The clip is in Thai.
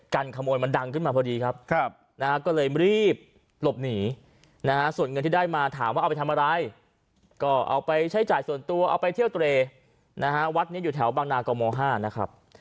การถามว่าเอาไปทำอะไรก็เอาไปใช้จ่ายส่วนตัวเอาไปเที่ยวเตรีย์นะฮะวัดเนี่ยอยู่แถวบางนาโกมอห้านะครับ